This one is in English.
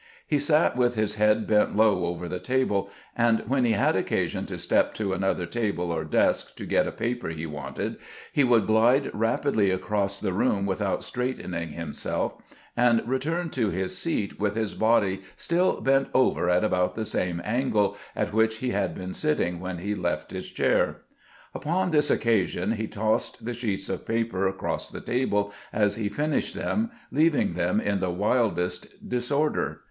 He sat with his head bent low over the table, and when he had occasion to step to another table or desk to get a paper he wanted, he would glide rapidly across the room without straight ening himself, and return to his seat with his body still bent over at about the same angle at which he had been sitting when he left his chau'. Upon this occasion he tossed the sheets of paper across the table as he finished them, leaving them in the wildest disorder.